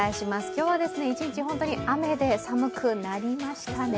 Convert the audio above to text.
今日は一日、本当に雨で寒くなりましたね。